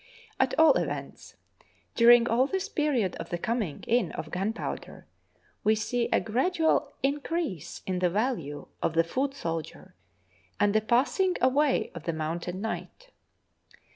At all events, during all this period of the coming in of gunpowder we see a gradual increase in the value of the foot soldier and the passing away of the mounted knight.